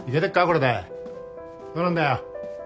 これでどうなんだよ